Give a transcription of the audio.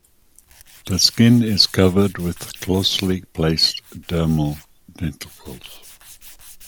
The skin is covered with closely placed dermal denticles.